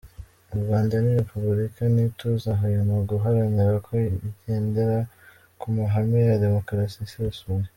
U Rwanda ni Repubulika, ntituzahwema guharanira ko igendera ku mahame ya Demokarasi isesuye.